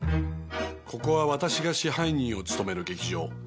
ここは私が支配人を務める劇場。